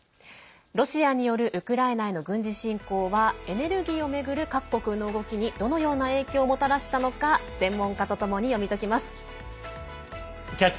ロシアによるウクライナへの軍事侵攻はエネルギーを巡る各国の動きにどのような影響をもたらしたのか「キャッチ！